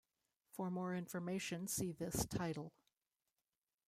For more information, see this title.